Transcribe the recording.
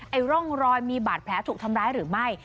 ร่องรอยมีบาดแผลถูกทำร้ายหรือไม่